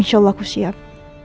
insya allah aku siap